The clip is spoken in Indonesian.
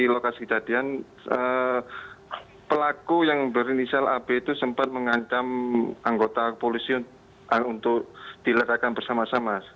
di lokasi kejadian pelaku yang berinisial ab itu sempat mengancam anggota polisi untuk diledakan bersama sama